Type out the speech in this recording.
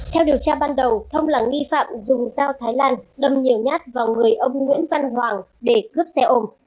theo điều tra ban đầu thông là nghi phạm dùng dao thái lan đâm nhiều nhát vào người ông nguyễn văn hoàng để cướp xe ôm